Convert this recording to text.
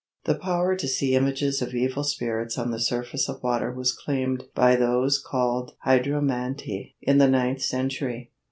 The power to see images of evil spirits on the surface of water was claimed by those called hydromantii in the ninth century.